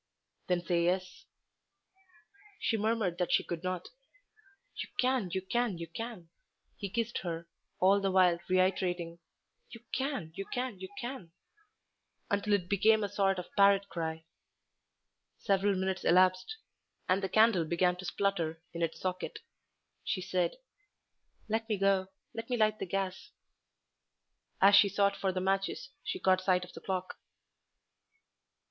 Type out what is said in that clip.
"Then say yes." She murmured that she could not. "You can, you can, you can." He kissed her, all the while reiterating, "You can, you can, you can," until it became a sort of parrot cry. Several minutes elapsed, and the candle began to splutter in its socket. She said "Let me go; let me light the gas." As she sought for the matches she caught sight of the clock.